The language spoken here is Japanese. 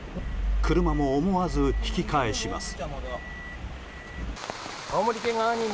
車も思わず引き返します。